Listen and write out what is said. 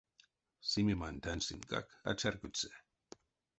Симемань танстентькак а чарькодьсы.